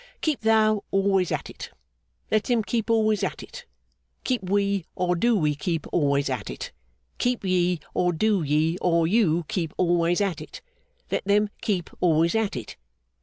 Keep thou always at it. Let him keep always at it. Keep we or do we keep always at it. Keep ye or do ye or you keep always at it. Let them keep always at it.